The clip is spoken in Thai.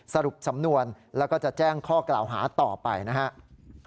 สรุปสำนวนแล้วก็จะแจ้งข้อกล่าวหาต่อไปนะครับ